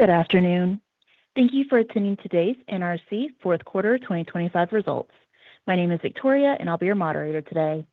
Good afternoon. Thank you for attending today's NRC fourth quarter 2025 results. My name is Victoria, and I'll be your moderator today.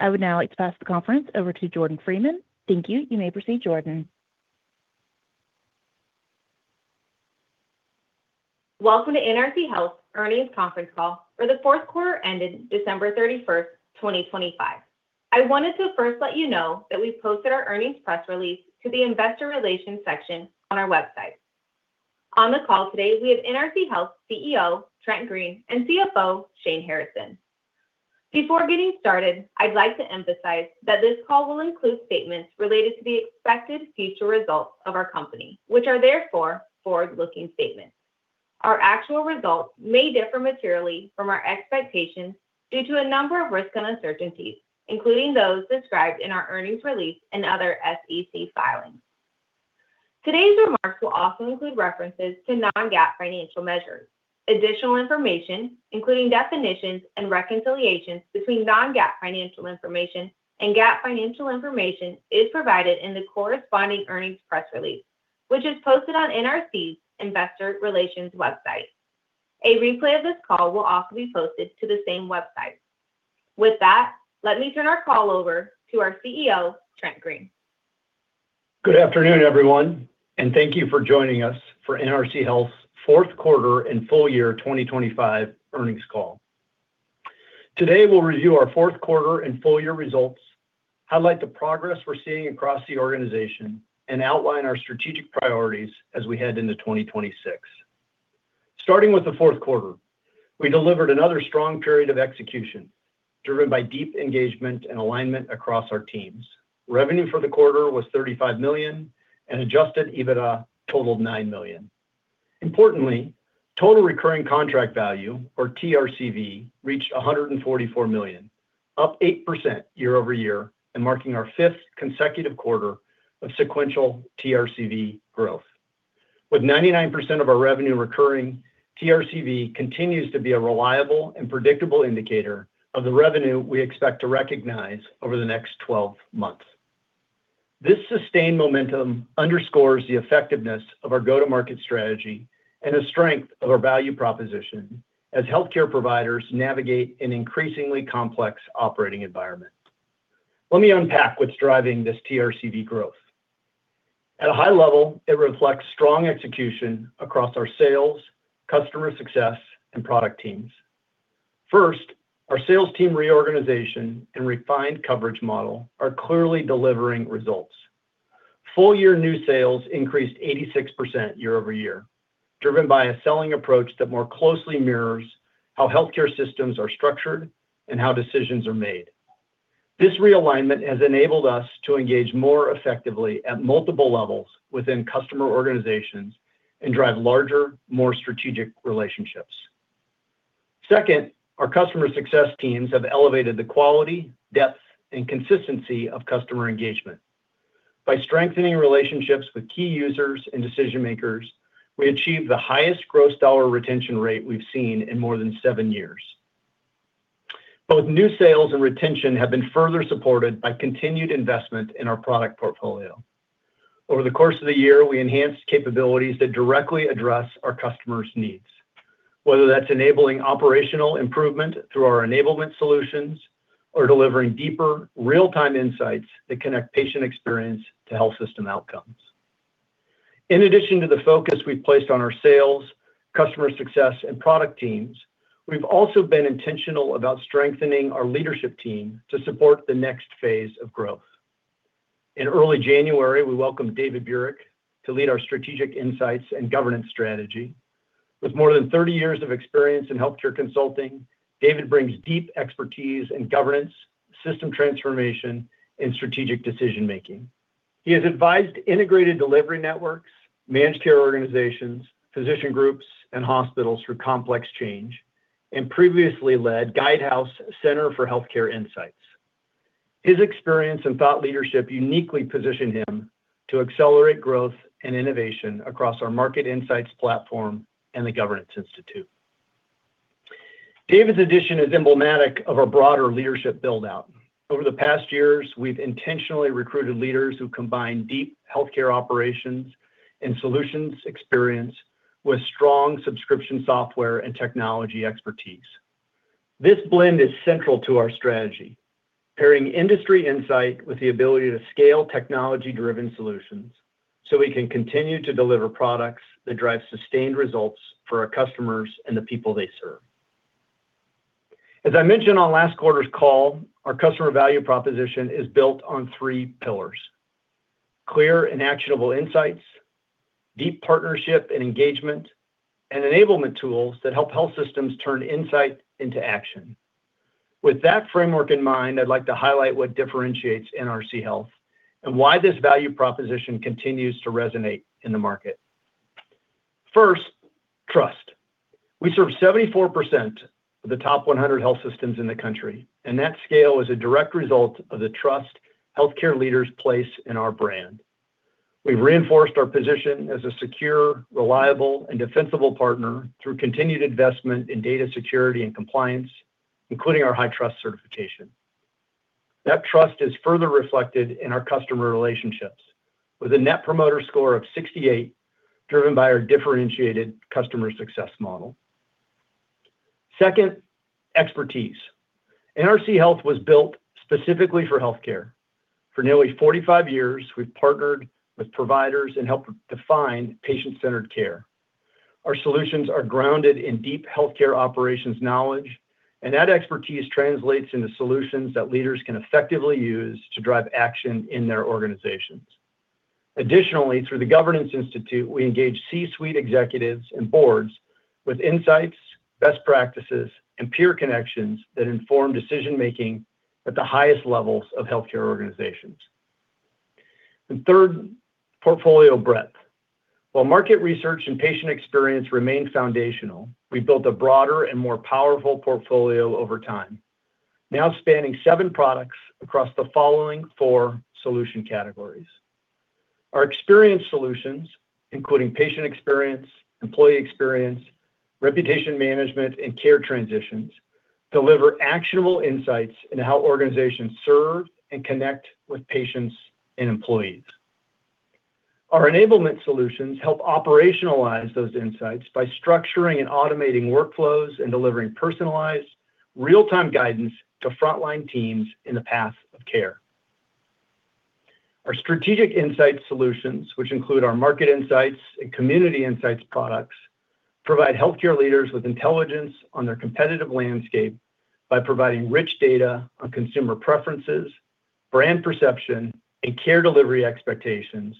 I would now like to pass the conference over to Jordan Freeman. Thank you. You may proceed, Jordan. Welcome to NRC Health Earnings Conference Call for the fourth quarter ended December 31, 2025. I wanted to first let you know that we've posted our earnings press release to the Investor Relations section on our website. On the call today, we have NRC Health CEO, Trent Green, and CFO, Shane Harrison. Before getting started, I'd like to emphasize that this call will include statements related to the expected future results of our company, which are therefore forward-looking statements. Our actual results may differ materially from our expectations due to a number of risks and uncertainties, including those described in our earnings release and other SEC filings. Today's remarks will also include references to Non-GAAP financial measures. Additional information, including definitions and reconciliations between Non-GAAP financial information and GAAP financial information, is provided in the corresponding earnings press release, which is posted on NRC's Investor Relations website. A replay of this call will also be posted to the same website. With that, let me turn our call over to our CEO, Trent Green. Good afternoon, everyone, and thank you for joining us for NRC Health's fourth quarter and full year 2025 earnings call. Today, we'll review our fourth quarter and full year results, highlight the progress we're seeing across the organization, and outline our strategic priorities as we head into 2026. Starting with the fourth quarter, we delivered another strong period of execution, driven by deep engagement and alignment across our teams. Revenue for the quarter was $35 million, and Adjusted EBITDA totaled $9 million. Importantly, Total Recurring Contract Value, or TRCV, reached $144 million, up 8% year-over-year and marking our 5th consecutive quarter of sequential TRCV growth. With 99% of our revenue recurring, TRCV continues to be a reliable and predictable indicator of the revenue we expect to recognize over the next 12 months. This sustained momentum underscores the effectiveness of our go-to-market strategy and the strength of our value proposition as healthcare providers navigate an increasingly complex operating environment. Let me unpack what's driving this TRCV growth. At a high level, it reflects strong execution across our sales, customer success, and product teams. First, our sales team reorganization and refined coverage model are clearly delivering results. Full-year new sales increased 86% year-over-year, driven by a selling approach that more closely mirrors how healthcare systems are structured and how decisions are made. This realignment has enabled us to engage more effectively at multiple levels within customer organizations and drive larger, more strategic relationships. Second, our customer success teams have elevated the quality, depth, and consistency of customer engagement. By strengthening relationships with key users and decision-makers, we achieved the highest gross dollar retention rate we've seen in more than seven years. Both new sales and retention have been further supported by continued investment in our product portfolio. Over the course of the year, we enhanced capabilities that directly address our customers' needs, whether that's enabling operational improvement through our enablement solutions or delivering deeper, real-time insights that connect patient experience to health system outcomes. In addition to the focus we've placed on our sales, customer success, and product teams, we've also been intentional about strengthening our leadership team to support the next phase of growth. In early January, we welcomed David Burik to lead our strategic insights and governance strategy. With more than 30 years of experience in healthcare consulting, David brings deep expertise in governance, system transformation, and strategic decision-making. He has advised integrated delivery networks, managed care organizations, physician groups, and hospitals through complex change, and previously led Guidehouse Center for Health Insights. His experience and thought leadership uniquely positioned him to accelerate growth and innovation across our market insights platform and the Governance Institute. David's addition is emblematic of our broader leadership build-out. Over the past years, we've intentionally recruited leaders who combine deep healthcare operations and solutions experience with strong subscription software and technology expertise. This blend is central to our strategy, pairing industry insight with the ability to scale technology-driven solutions, so we can continue to deliver products that drive sustained results for our customers and the people they serve. As I mentioned on last quarter's call, our customer value proposition is built on three pillars: clear and actionable insights, deep partnership and engagement, and enablement tools that help health systems turn insight into action. With that framework in mind, I'd like to highlight what differentiates NRC Health and why this value proposition continues to resonate in the market. First, trust. We serve 74% of the top 100 health systems in the country, and that scale is a direct result of the trust healthcare leaders place in our brand. We've reinforced our position as a secure, reliable, and defensible partner through continued investment in data security and compliance, including our HITRUST certification.... That trust is further reflected in our customer relationships, with a Net Promoter Score of 68, driven by our differentiated customer success model. Second, expertise. NRC Health was built specifically for healthcare. For nearly 45 years, we've partnered with providers and helped define patient-centered care. Our solutions are grounded in deep healthcare operations knowledge, and that expertise translates into solutions that leaders can effectively use to drive action in their organizations. Additionally, through the Governance Institute, we engage C-suite executives and boards with insights, best practices, and peer connections that inform decision-making at the highest levels of healthcare organizations. And third, portfolio breadth. While market research and patient experience remain foundational, we've built a broader and more powerful portfolio over time, now spanning seven products across the following four solution categories. Our experience solutions, including patient experience, employee experience, reputation management, and care transitions, deliver actionable insights into how organizations serve and connect with patients and employees. Our enablement solutions help operationalize those insights by structuring and automating workflows and delivering personalized, real-time guidance to frontline teams in the path of care. Our strategic insight solutions, which include our Market Insights and Community Insights products, provide healthcare leaders with intelligence on their competitive landscape by providing rich data on consumer preferences, brand perception, and care delivery expectations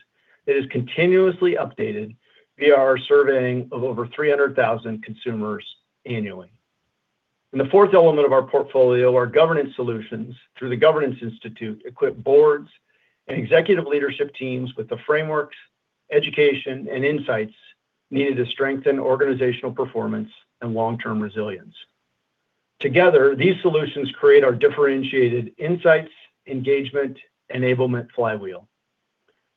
that is continuously updated via our surveying of over 300,000 consumers annually. The fourth element of our portfolio, our governance solutions, through the Governance Institute, equip boards and executive leadership teams with the frameworks, education, and insights needed to strengthen organizational performance and long-term resilience. Together, these solutions create our differentiated insights, engagement, enablement flywheel.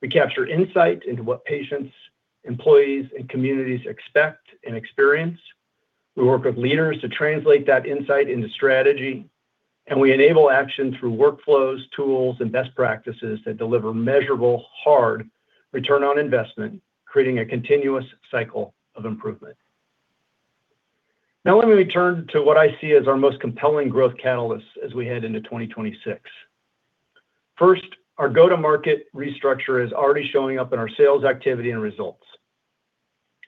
We capture insight into what patients, employees, and communities expect and experience. We work with leaders to translate that insight into strategy, and we enable action through workflows, tools, and best practices that deliver measurable, hard return on investment, creating a continuous cycle of improvement. Now, let me return to what I see as our most compelling growth catalysts as we head into 2026. First, our go-to-market restructure is already showing up in our sales activity and results.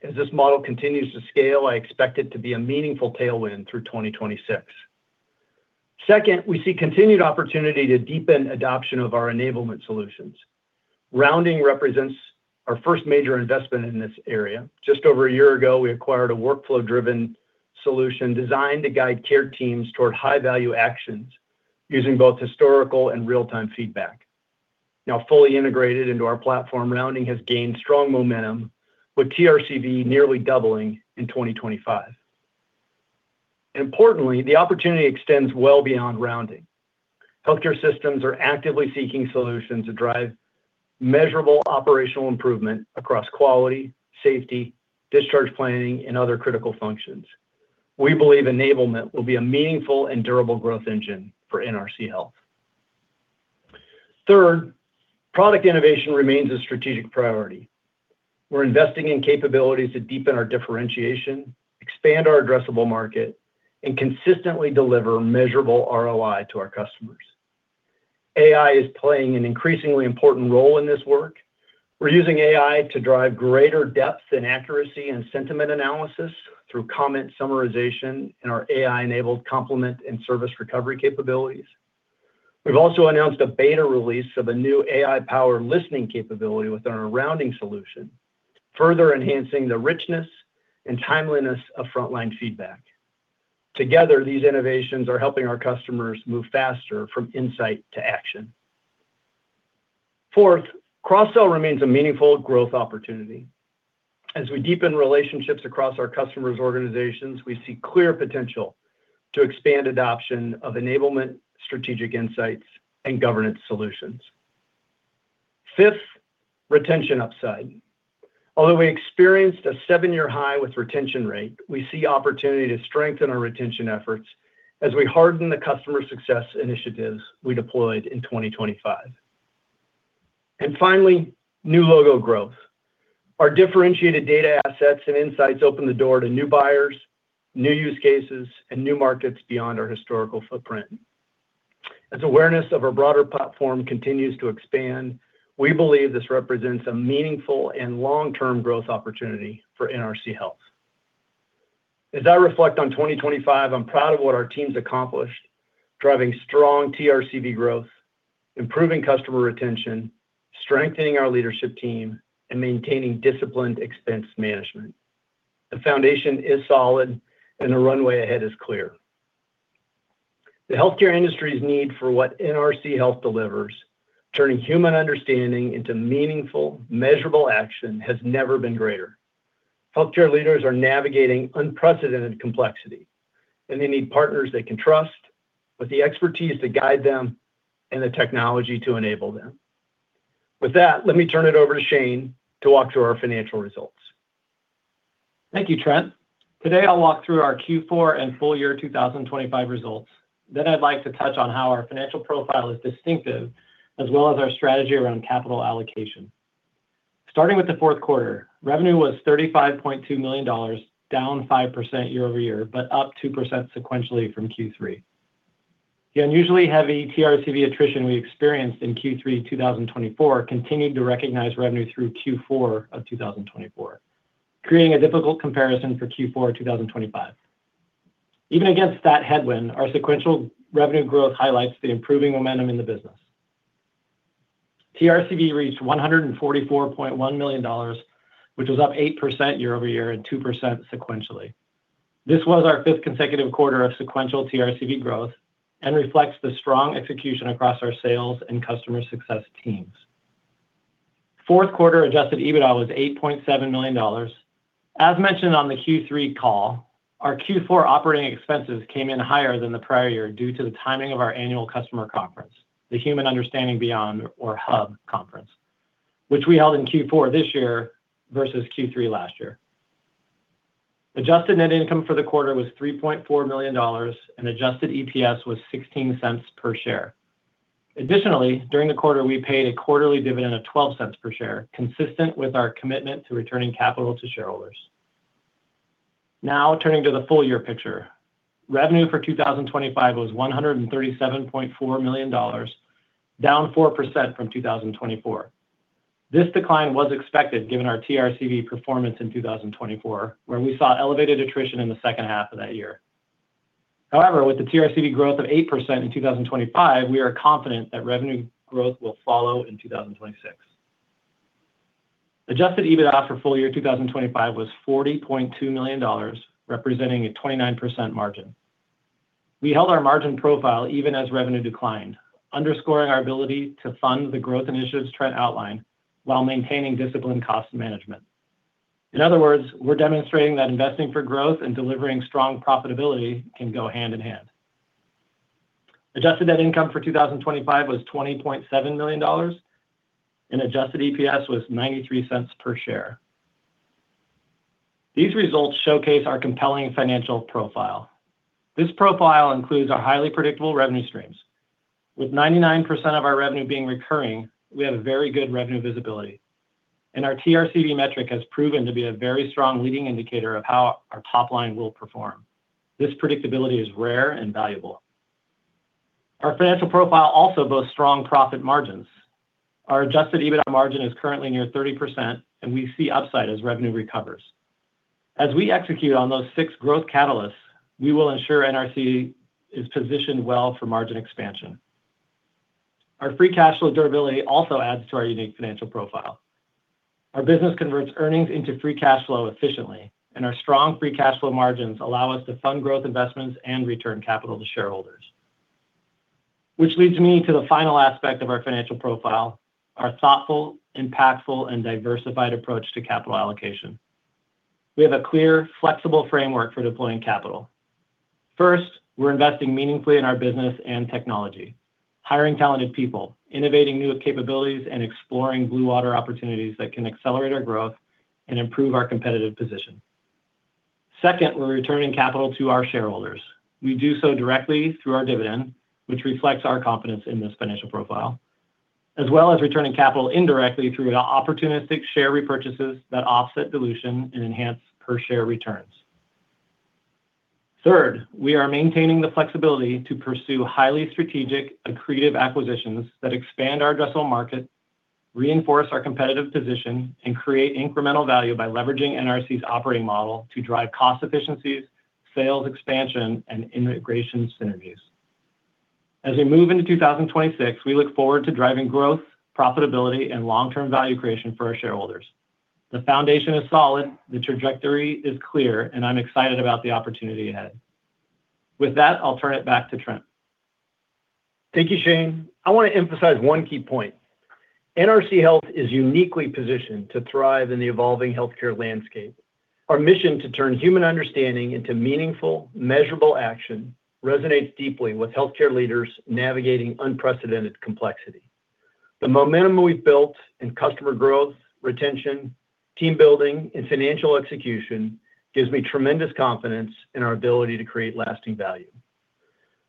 As this model continues to scale, I expect it to be a meaningful tailwind through 2026. Second, we see continued opportunity to deepen adoption of our enablement solutions. Rounding represents our first major investment in this area. Just over a year ago, we acquired a workflow-driven solution designed to guide care teams toward high-value actions using both historical and real-time feedback. Now fully integrated into our platform, Rounding has gained strong momentum, with TRCV nearly doubling in 2025. Importantly, the opportunity extends well beyond Rounding. Healthcare systems are actively seeking solutions to drive measurable operational improvement across quality, safety, discharge planning, and other critical functions. We believe enablement will be a meaningful and durable growth engine for NRC Health. Third, product innovation remains a strategic priority. We're investing in capabilities to deepen our differentiation, expand our addressable market, and consistently deliver measurable ROI to our customers. AI is playing an increasingly important role in this work. We're using AI to drive greater depth and accuracy in sentiment analysis through comment summarization in our AI-enabled compliment and service recovery capabilities. We've also announced a beta release of a new AI-powered listening capability within our Rounding solution, further enhancing the richness and timeliness of frontline feedback. Together, these innovations are helping our customers move faster from insight to action. Fourth, cross-sell remains a meaningful growth opportunity. As we deepen relationships across our customers' organizations, we see clear potential to expand adoption of enablement, strategic insights, and governance solutions. Fifth, retention upside. Although we experienced a 7-year high with retention rate, we see opportunity to strengthen our retention efforts as we harden the customer success initiatives we deployed in 2025. Finally, new logo growth. Our differentiated data assets and insights open the door to new buyers, new use cases, and new markets beyond our historical footprint. As awareness of our broader platform continues to expand, we believe this represents a meaningful and long-term growth opportunity for NRC Health. As I reflect on 2025, I'm proud of what our team's accomplished, driving strong TRCV growth, improving customer retention, strengthening our leadership team, and maintaining disciplined expense management. The foundation is solid, and the runway ahead is clear. The healthcare industry's need for what NRC Health delivers, turning human understanding into meaningful, measurable action, has never been greater. Healthcare leaders are navigating unprecedented complexity, and they need partners they can trust, with the expertise to guide them and the technology to enable them. With that, let me turn it over to Shane to walk through our financial results.... Thank you, Trent. Today, I'll walk through our Q4 and full year 2025 results. Then I'd like to touch on how our financial profile is distinctive, as well as our strategy around capital allocation. Starting with the fourth quarter, revenue was $35.2 million, down 5% year-over-year, but up 2% sequentially from Q3. The unusually heavy TRCV attrition we experienced in Q3 2024 continued to recognize revenue through Q4 of 2024, creating a difficult comparison for Q4 2025. Even against that headwind, our sequential revenue growth highlights the improving momentum in the business. TRCV reached $144.1 million, which was up 8% year-over-year and 2% sequentially. This was our fifth consecutive quarter of sequential TRCV growth and reflects the strong execution across our sales and customer success teams. Fourth quarter Adjusted EBITDA was $8.7 million. As mentioned on the Q3 call, our Q4 operating expenses came in higher than the prior year due to the timing of our annual customer conference, the Human Understanding Beyond or HUB Conference, which we held in Q4 this year versus Q3 last year. Adjusted net income for the quarter was $3.4 million, and Adjusted EPS was 16 cents per share. Additionally, during the quarter, we paid a quarterly dividend of $0.12 per share, consistent with our commitment to returning capital to shareholders. Now, turning to the full year picture. Revenue for 2025 was $137.4 million, down 4% from 2024. This decline was expected, given our TRCV performance in 2024, where we saw elevated attrition in the second half of that year. However, with the TRCV growth of 8% in 2025, we are confident that revenue growth will follow in 2026. Adjusted EBITDA for full year 2025 was $40.2 million, representing a 29% margin. We held our margin profile even as revenue declined, underscoring our ability to fund the growth initiatives Trent outlined while maintaining disciplined cost management. In other words, we're demonstrating that investing for growth and delivering strong profitability can go hand in hand. Adjusted net income for 2025 was $20.7 million, and Adjusted EPS was $0.93 per share. These results showcase our compelling financial profile. This profile includes our highly predictable revenue streams. With 99% of our revenue being recurring, we have a very good revenue visibility, and our TRCV metric has proven to be a very strong leading indicator of how our top line will perform. This predictability is rare and valuable. Our financial profile also boasts strong profit margins. Our Adjusted EBITDA margin is currently near 30%, and we see upside as revenue recovers. As we execute on those six growth catalysts, we will ensure NRC is positioned well for margin expansion. Our free cash flow durability also adds to our unique financial profile. Our business converts earnings into free cash flow efficiently, and our strong free cash flow margins allow us to fund growth investments and return capital to shareholders. Which leads me to the final aspect of our financial profile: our thoughtful, impactful, and diversified approach to capital allocation. We have a clear, flexible framework for deploying capital. First, we're investing meaningfully in our business and technology, hiring talented people, innovating new capabilities, and exploring blue water opportunities that can accelerate our growth and improve our competitive position. Second, we're returning capital to our shareholders. We do so directly through our dividend, which reflects our confidence in this financial profile, as well as returning capital indirectly through opportunistic share repurchases that offset dilution and enhance per-share returns. Third, we are maintaining the flexibility to pursue highly strategic, accretive acquisitions that expand our addressable market, reinforce our competitive position, and create incremental value by leveraging NRC's operating model to drive cost efficiencies, sales expansion, and integration synergies. As we move into 2026, we look forward to driving growth, profitability, and long-term value creation for our shareholders. The foundation is solid, the trajectory is clear, and I'm excited about the opportunity ahead. With that, I'll turn it back to Trent. Thank you, Shane. I want to emphasize one key point. NRC Health is uniquely positioned to thrive in the evolving healthcare landscape. Our mission to turn human understanding into meaningful, measurable action resonates deeply with healthcare leaders navigating unprecedented complexity. The momentum we've built in customer growth, retention, team building, and financial execution gives me tremendous confidence in our ability to create lasting value.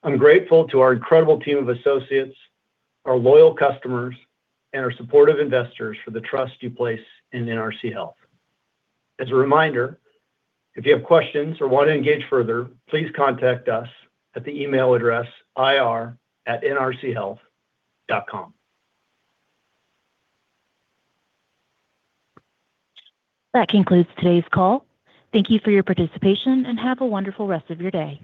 I'm grateful to our incredible team of associates, our loyal customers, and our supportive investors for the trust you place in NRC Health. As a reminder, if you have questions or want to engage further, please contact us at the email address, ir@nrchealth.com. That concludes today's call. Thank you for your participation, and have a wonderful rest of your day.